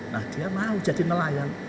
nah dia mau jadi nelayan